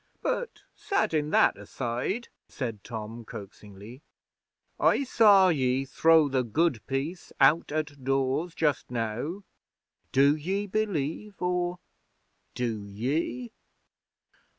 'But settin' that aside?' said Tom, coaxingly. 'I saw ye throw the Good Piece out at doors just now. Do ye believe or do ye?'